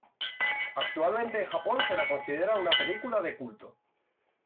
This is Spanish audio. Actualmente en Japón se la considera una película de culto.